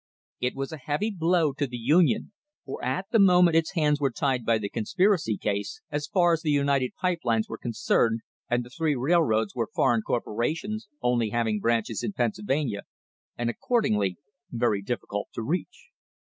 It was a heavy blow to the Union, for at the moment its hands were tied by the conspir acy case, as far as the United Pipe Lines were concerned, and the three railroads were foreign corporations, only having branches in Pennsylvania, and accordingly very difficult to reach.